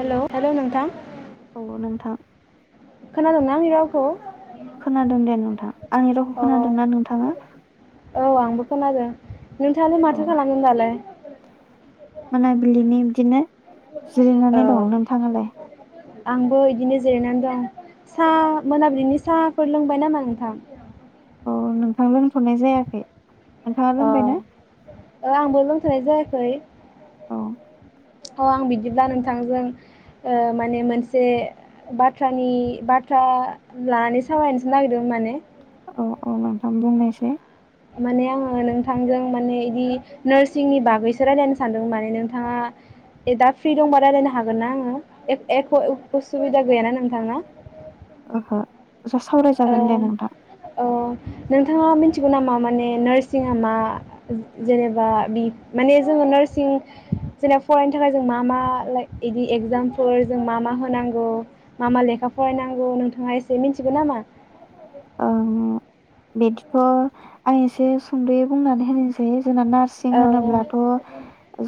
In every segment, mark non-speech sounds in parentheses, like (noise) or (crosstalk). हेल hello नोंथां औ नोंथां खोनादोंना आंनि रावखौ खोनादों दे नोंथां आंनि रावखौ औ खोनादोंना नोंथाङा? आंबो औ खोनादों? नोंथाङालाय अ माथो खालामोन दालाय? मोनाबिलिनि बिदिनो जिरायनानै औ दं नोंथाङालाय आंबो बिदिनो जिरायनानै दं साहा मोनाब्लिनि साहाफोर लोंबाय नामा नोंथां? अ नोंथां लोंथनाय जायाखै नोंथाङा लोंबायना अ आंबो लों थनाय जायाखै औ अ आं बिदिब्ला नोंथांजों ओ माने मोनसे बाथ्रानि बाथ्रा लानानै सावरायनोसो नागिरदोंमोन माने औ औ नोंथां बुंनोसै माने आङो नोंथांजों माने बिदि नार्सिंनि बागैसो रायजलायनो सानदों माने नोंथाङा दा फ्रि दंबा रायजलायनो हागोन ना आङो एख उसुबिदा गैयाना नोंथाङा? ओहो जा औ सावरायजागोन दे नोंथां औ नोंथाङा मिथिगौ नामा माने नारसिंआ मा जेनेबा बि माने जोङो नार्सिं जेनेबा फरायनो थाखाय जों मा मा लाइ बिदि एगजामफोर जों मा मा होनांगौ मा मा लेखा फरायनांगौ नोंथाङा एसे मिथिगौ नामा? ओं (inaudible) बिदिथ आं एसे सुंदयै बुंनानै होनोसै जोंना नार्सिं औ होनोब्लाथ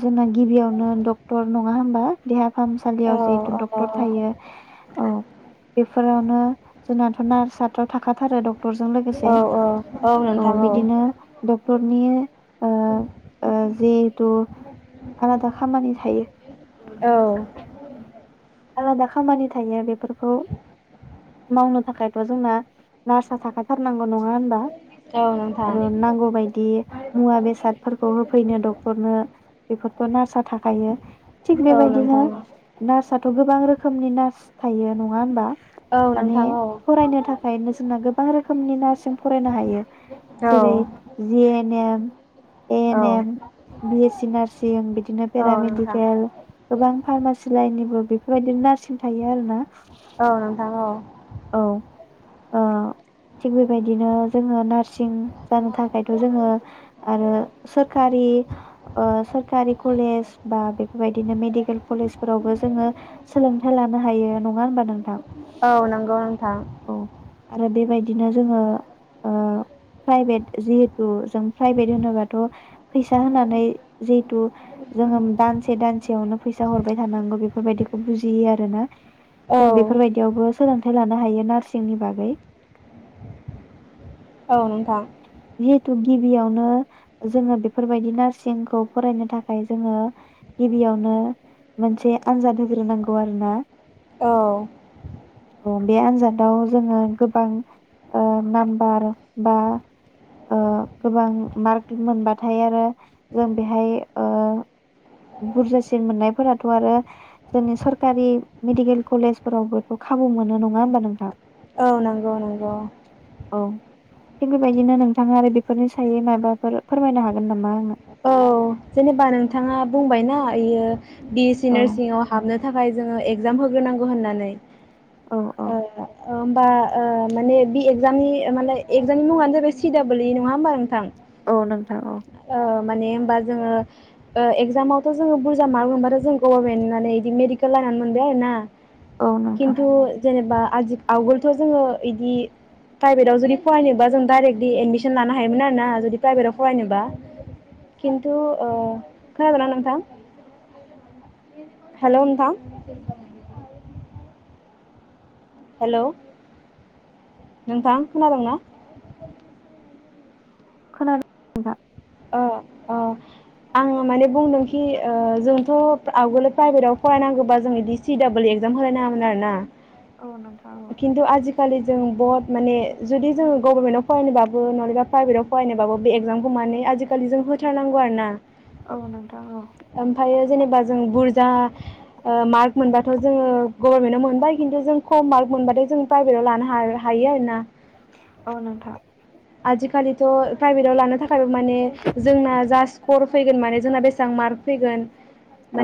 जोंना गिबियावनो डक्टर नङ नङा होमबा देहा औ फाहामसालियाव जिहेथु डक्टर थायो औ बे फोरावनो जोंनाथ नार्सआथ थाख थाखाथारो डक्टरजों लोगोसे औ औ औ नोंथां बिदिनो डक्टरनि ओ ओ जिहेथु आलादा खामानि थायो औ औ आलादा खामानि थायो बेफोरखौ मावनो थाखायथ जोंना नार्सा थाखाथारनांगौ नङा होनबा नोंथां। आरो नांगौ बायदि मुवा बेसादफोरखौ होफैनो डक्टरनो बेफोरखौ नार्सा थाखायो थिग औ बेबायदिनो नोंथां नारसा गोबां रोखोमनि नार्स थायो नङा होनोमबा? औ माने नोंथां औ फरायनो थाखायनो जोंना गोबां रोखोमनि नार्सिं फरायनो हायो औ जेरै जिएनएम औ an M BA C nursing बिदिनो औ नोंथां पेरामेडिकेल गोबां फार्मासि लाइननिबो बेबायदिनो नार सिं थायो आरो ना औ नोंथां औ औ ओ थिग बेबायदिनो जोङो नार्स सिं जानो थाखायथ जोङो आरो सोरकारि सोरखारि कलेज बा बेफोरबायदिनो मेडिकेल कलेजफोरावबो जोङो सोलोंथाइ लानो हायो नङा होनबा नोंथां? औ नंगौ नोंथां आरो बेबायदिनो जोङो ओ प्राइभेट जिहेथु जों प्राइभेट होनोबाथ' फैसा होनानै जि थु जोङो दानसे दानसेयावनो फैसा हरबाय थानांगौ बेफोरबायदिखौ बुजियो आरो ना। औ जों बेफोरबायदियावबो सोलों थाइ लानो हायो नार्सिंनि बागै औ नोंथां जिहेथु गिबियावनो जोङो बेफोरबायदि नार्सिं खौ फरायनो थाखाय जोङो गिबियावनो मोनसे आनजाद होग्रोनांगौ आरोना। औ बे आनजादाव जोङो गोबां ओ नाम्बार बा ओ गोबां मार्क मोनबाथाय आरो जों बेहाय ओ बुरजासिन मोननायफोराथ' आरो जोंनि सरकारि मेडिकेल कलेजफोरावबोथ' खाबु मोनो नङा होमबा नोंथां? औ नंगौ नंगौ औ थिग बेबायदिनो नों थाङा आरो बेफोरनि सायै माबाफोर फोरमायनो हागोन नामा? औ जेनेबा नोंथाङा बुंबायना इयो बि ए सि औ नार्सिंयाव हाबनो नो थाखाय जोङो एगजाम होग्रोनांगौ होननानै औ औ ओ ओ होमबा ओ माने बे एगजामनि मे एग्जामनि मुङानो जाबाय सि डाबल इ नङा होमबा नोंथां? औ नोंथां औ ओ माने होनोमबा जोङो ओ एगजामावथ' जोङो बुरजा मार्क मोनबाथाय जों गबार्मेन्ट नानो इदि मेडिकेल लाइन आवनो मोनबाय आरोना। औ नोंथां खिन्थु जेनेबा आजि आवगोलथ' जोङो इदि प्राइभेटाव जुदि फरायनोबा जों दडाइरेक्टलि एडमिसन लानो हायोमोन आरोना जुदि प्राइभेटआव फरायनोबा खिन्थु ओ खोनादोंना नोंथां? हेल' नोंथां हेल' नोंथां खोनादोंंना? खोनादों दा ओ ओ आं माने बुंदोंखि ओ जोंथ' आवगोलो प्राइभेटाव फरायनांगौबा जों इदि सि दाबल एक्जाम होलाय नाङामोन आरोना औ नोंथां औ खिन्थु आजिखालि जों बहुथ माने जुदि जोङो गभर्नमेन्टआव फरायनोबाबो नलेबा प्राइभेटआव फरायनोबाबो बे एक्जामखौ मानो आजिखालि जों होथारनांगौ आरो ना। औ नोंथां औ ओमफ्रायो जेनेबा जों बुर्जा ओ मार्क मोनबाथ' जोङो गभर्नमेन्टआव मोनबाय खिन्थु जों खम मार्क मोनबाथाय जों प्राइभेटाव लानो हा-हायो आरोना। औ नोंथां आजिखालिथ' प्राइभेटाव लानो थाखायबो माने जोंना जा स्कर फैगोन माने जोंना बेसेबां मार्क फैगोन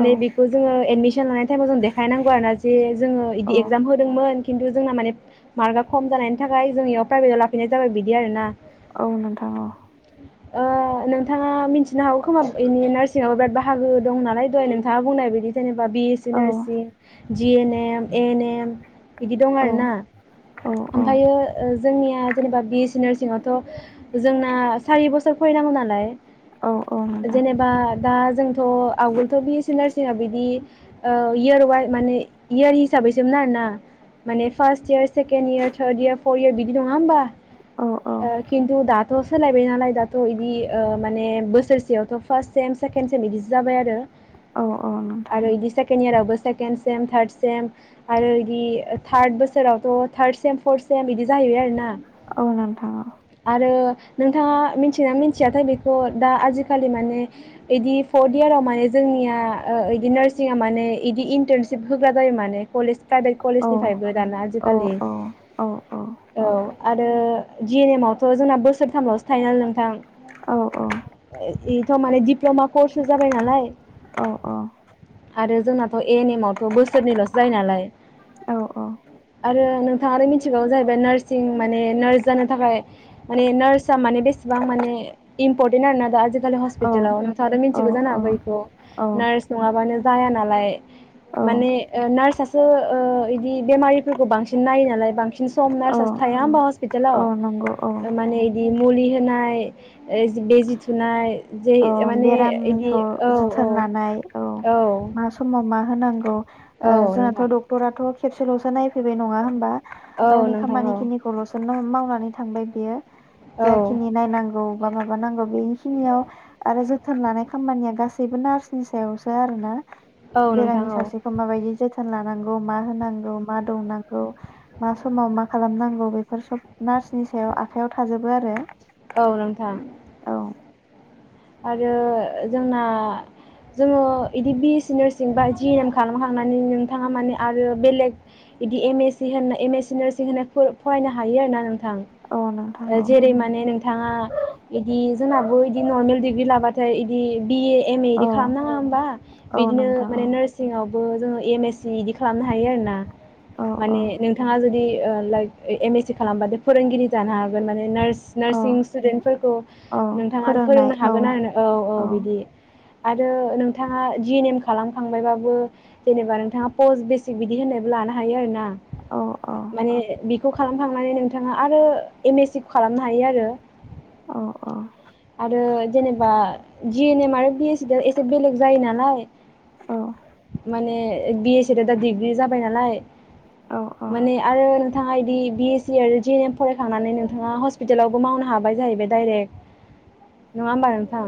औ बेखौ जोङो एडमिसन लानाय टाइमाव जों देखायनांगौ आरो ना जे जोङो औ बिदि एगजाम होदोंमोन खिन्थु जोंना माने मार्कआ खम जानायनि थाखाय जोंयाव प्राइभेटाव लाफैनाय जाबाय बिदि आरो ना। औ नोंथां औ ओ नोंथाङा मिथिनो हागौ खोमा बेनि नारसिंयाव बिराद बाहागो दं नालाय दहाय नोंथाङा बुंनाय बायदि जेने (inaudible) बि ए सि औ नारसिं जि ए ने म ए ने एम बिदि दं औ आरो ना औ औ ओमफायो ओ जोंनिया जेनेबा बि एस सि नारसिं सिङावथ जोंना सारि बोसोर फरायनांगौ नालाय औ औ नोंथां जेनेबा दा जोंथ' आवगोलथ' बि ए सि नारसिङा बिदि औ इयार वाइ माने इयार हिसाबैसोमोन आरोना माने first year second year third year fourth year बिदि नङा होमबा औ ओ खिन्थु दा थ' सोलायबाय नालाय दाथ' इदि ओ माने बोसोरसेयावथ' फार्स्ट सेम सेकेणड सेम इदिसो जाबाय आरो औ औ नोंथां आरो इदि सेकेण इयार आबो सेकेणड सेम थार्द सेम आरो इदि थार्द बोसोरावथ' थार्ड सेम फर्थ सेम इदि जाहैबाय आरोना औ नोंथां औ आरो नोंथाङा मिथियोना मिथियाथाय बेखौ दा आजिखालि माने इदि फर्थ इयाराव माने जोंनिया ओ इदि नारसिंया माने इदि इन्टार्नशिप होग्रा जायो माने कलेज प्राइभेट औ कलेजनिफ्रायबो दाना आजिखालि औ औ आरो जि एन एम आवथ' जोंना बोसोरथामल'सो थायोना नों थां औ (unintelligible) (unintelligible) माने दिप्लमा कोर्ससो जाबाय नालाय औ औ आरो जोंनाथ' ए एन एम आवथ' बोसोरनैल'सो जायो नालाय औ आरो नोंथाङा आरो मिथिबावौ (unintelligible) नारसिं माने नार जानो थाखाय माने नार्स आ माने बेसेबां माने इम्पर्टेन्ट आरोना दा आजिखालि औ हस्पिटालाव नोंथाङाथा मिनथिगौ जानो हागौ इखौ औ नार्स नङाबानो जाया नालाय माने ओ नार्स ओ इदि बेमारिफोरखौ बांसिन नायो नालाय बांसिन (unintelligible) थाया होमबा (unintelligible) हेलौ औ नंगौ औ ओ माने इदि मुलि होनाय ओ बिजि थुनाय जे औ माने इदि बेरामनिखौ औ औ जोथोन लानाय औ मा समाव मा होनांगौ ओ औ जाहाथ नोंथां डक्टरा खेबसेलसो नायफैबाय नङा होमबा औ गावनि नोंथां औ खामानि खिनिखौलसो नं मावनानै थांबाय बियो। औ जाखिनि नायनांगौ बा माबानांगौ बेखिनियाव। आरो जोथोन लानाय खामानिया गासैबो नार्सनि सायावसो आरो ना। औ नोंथां बेरामि औ सासेखौ माबायदि जोथोन। लानांगौ मा होनांगौ मा दौनांगौ मा समाव मा खालामनांगौ बेफोर सब। नार्सनि सायाव आखयाव थाजोबो आरो औ नोंथां औ। आरो जोंना जोङो बिदि बि एस सि नार्सिं बा जिएन एम खालामखांनानै नोंथाङा माने आरो बेलेग बिदि एम ए सि होननाय एम एस सि नार्सिं होनाय फरायनो हायो आरोन ना नोंथां। औ नोंथां ओ औ जेरै माने नोंथाङा बिदि जोंनाबो इदि नर्मेल। लाबाथाय इदि। बिए एम ए औ बिदि खालामनाङा होमबा औ बिदिनो नोंथां औ माने नार्सिंआव। ओ जोङो एम एस सि इदि खालामनो हायो आरो ना। औ माने नोंथाङा जुदि। लाइ एम एस सि खालामबा दे फोरोंगिरि जानो हागोन माने नार्स। औ नार्सिं स्टुडेन्टफोरखौ औ नोंथाङानो फोरोंनाय फोरोंनानै। हागोन आरो औ औ बिदि आरो नोंथाङा जिएन एम खालामखांबायबाबो जेनेबा नोंथाङा पस्ट बेसिक बिदि होननायबो लानो हायो आरो ना। औ औ माने बिखौ। बेखौ खालामखांनानै नोंथाङा आरो एम एस सि खौ खालामनो हायो आरो। अ अ। आरो जेनेबा जि एन एम आरो बि एस सि दा एसे बेलेग जायो नालाय। औ माने। बि एस सि आथ दा डिग्रि जाबाय नालाय। औ औ माने आरो नोंथाङा। दि बिएस सि आरो जिएनएम फरायखांनानै नोंथाङा हस्पिटालावबो मावनो हाबाय जाहैबाय डाइरेक्ट। नङा होमबा नोंथां।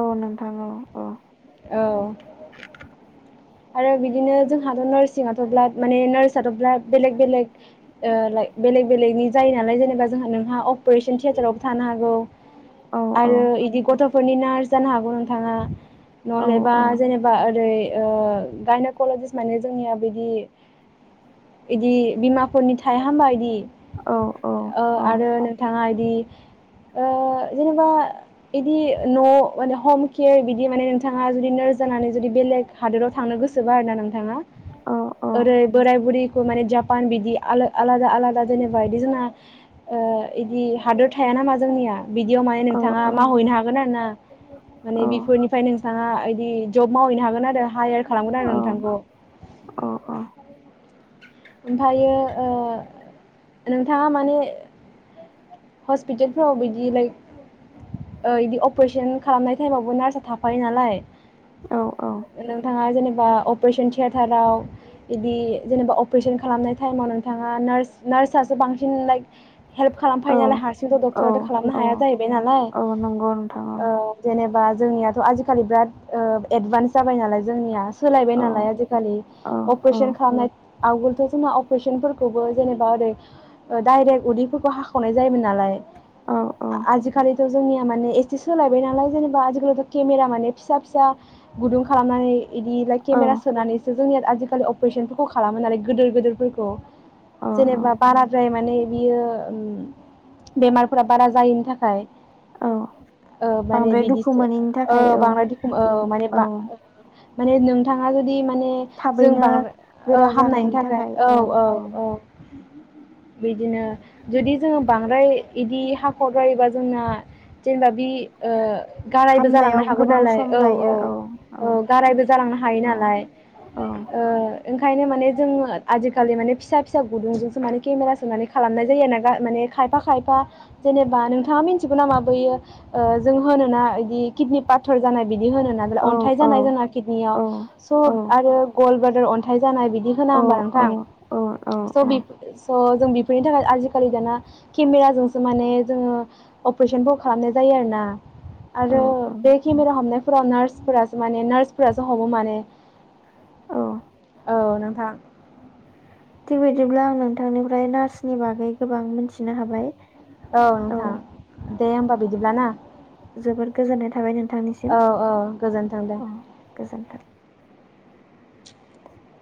औ नोंथां औ औ। औ। आरो बिदिनो जोंहाथ नार्सिंआथ ब्ला माने नार्सआथ ब्ला बेलेग बेलेग बेलेग बेलेगनि जायो नालाय जेनेबा जोंहा नोंहा। अपारेशन थियेटारावबो थानो हागौ औ औ आरो बिदि गथ। फोरनि नार्स जानो हागौ नोंथाङा। औ नहलेबा जेनेबा ओरै। ओ। गायनकलजिस्त माने जोंनिया बिदि बिदि बिमाफोरनि थाया हबा बिदि। औ ओ औ आरो नोंथाङा इ दि ओ जेनेबा इदि न' माने हम केयार बिदि माने नोंथाङा जुदि नोरस जानानै जुदि बेलेग हादोराव थ। थांनो गोसोबा आरो ना नोंथाङा औ ओरै बोराय बुरि खौ माने जापान बिदि आलो आलादा आलादा जेनेबा इदि जोंना ओ इदि हादोर थाया नामा जोंनिया? बिदियाव माने औ नोंथाङा औ मावहैनो हागोन आरो ना माने औ बिफोरनिफ्राय नों थाङा इदि जब मावहैनो हागोन आरो हायार खालामगोन आरो नोंथांखौ। ओमफायो ओ नोंथाङा माने हस्पितालफ्राव बिदि लाइक ओ इदि अपारिशन खालामनाय टाइमावबो नार्सआ थाफायो नालाय ओ नोंथाङा जेनेबा अपारिशोन थियेटाराव इदि जेनेबा अपारिशोन खालामनाय टाइमाव नोंथाङा नार्स नार्स सासे बांसिन लाइक हेल्प खा फाइनाल हारसिंथ' औ डक्टराथ' खालामनो औ हाया जाहैबाय नालाय औ नंगौ नोंथां ओ जेनेबा जोंनियाथ' आजिखालि बिराद ओ एदभान्स जाबाय नालाय जोंनियास सोलायबाय औ नालाय आजिखालि औ औ अपारिशोन खालामनाय आवगोलथ' जोंना अपरेशोनफोरखौबो जेनेबा ओरै ओ दाइरेक्ट उदैफोरखो हाख खावनाय जायोमोन नालाय औ आ-आ आजिखालिथ' जोंनिया माने एसे सोलायबाय नालाय जेनेबा आजिखालिथ' केमेरा माने फिसा फिसा गुदुं खालामनानै इदिलाय औ केमेरा सोनानैसो जोंनिया आजिखालि अप्रेसोनफोरखौ खालामो नालाय गोदोर गोदोरफोरखौ औ जेनेबा बाराद्रायब माने बियो उम बेमारफोरा बारा जायिनि थाखाय। औ ओ माने बांद्राय दुखु बिदिसो मोनैनि ओ थाखाय औ बांद्राय दुखु ओ माने औ बा माने नोंथाङा जुदि मा ने जों थाबैनो बां ओ हामनायनि थाखाय औ औ औ। बिदिनो जुदि जोङो बांद्राय इदि हाखावद्रायोबा जोंना जेनेबा बि ओ गारायबो जालांनो हामनायाव हागौ गोबाव नालाय सम औ औ लायो औ ओ गारायबो जालांनो हायो औ नालाय औ ओ ओंखायनो माने जोङो आजिखालि माने फिसा फिसा गुदुंजोंसो माने केमेरा सोनानै खालामनाय जायो ना गा माने खायफा खायफा जेनेबा नोंथाङा मिन्थिगो नामा बैयो ओ जोंहानोना इदि किदनि पाथर जानाय? बिदि होनोना जेला औ अन्थाय औ जानाय जोंहा किदनिआव औ औ सब आरो गलबाल रो अन्थाइ जानाय बिदि होना औ होमबा नोंथां? औ औ स' औ बिब स' जों बेफोरनि थाखाय आजिखालि दाना केमेराजोंसो माने जोङो अपरेशोनखौ खालामनाय जायो आरो ना आरो औ बे खेमेरा हमनाय फुरा नार्सफोरासो माने नार्सफोरासो हमो माने अ औ नोंथां थिग बिदिब्ला आं नोंथांनिफ्राय नार्सनि बागै गोबां मिथिनो हाबाय। औ नोंथां दे होमबा बिदिब्ला ना? जोबोद गोजोननाय थाबाय नोंथां। औ औ गोजोनथों दे। गोजोन्थों